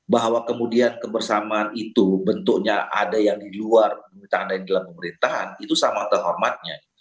bahwa kemudian kebersamaan itu bentuknya ada yang di luar di luar pemerintahan itu sama atau hormatnya